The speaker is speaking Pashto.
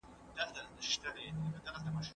ټولنپوهنه زموږ فکر پراخوي.